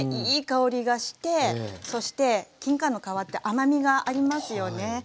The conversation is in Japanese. いい香りがしてそしてきんかんの皮って甘みがありますよね。